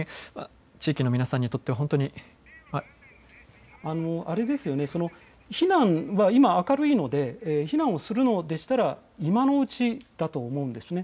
地域の皆さんにとっては本当に、避難は今、明るいので避難をするのであれば今のうちだと思うんです。